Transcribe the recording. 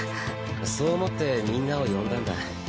そう思ってみんなを呼んだんだ。